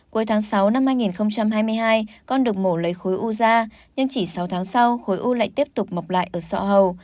cuối tháng sáu năm hai nghìn hai mươi hai con được mổ lấy khối u da nhưng chỉ sáu tháng sau khối u lại tiếp tục mọc lại ở sọ hầu